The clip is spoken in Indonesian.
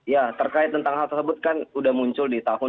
ya terkait hal tersebut kan sudah muncul di tahun dua ribu sembilan belas